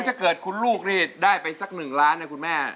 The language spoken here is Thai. ถ้าเกิดคุณลูกนี่ได้ไปสัก๑ล้านนะคุณแม่